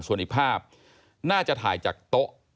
ส่วนอีกภาพน่าจะถ่ายจากโต๊ะ